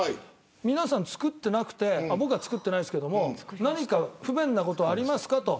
皆さん作ってなくて僕は作ってないですけど何か不便なことありますか、と。